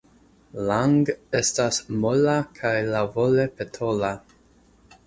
Lang' estas mola kaj laŭvole petola.